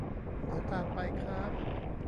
เดี๋ยวตามไปค้าบ !